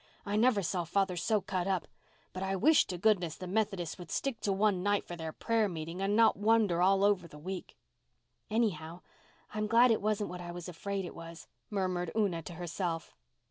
I never saw father so cut up. But I wish to goodness the Methodists would stick to one night for their prayer meeting and not wander all over the week." "Anyhow, I'm glad it wasn't what I was afraid it was," murmured Una to herself.